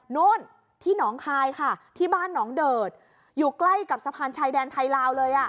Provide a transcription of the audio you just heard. นู่นที่หนองคายค่ะที่บ้านหนองเดิดอยู่ใกล้กับสะพานชายแดนไทยลาวเลย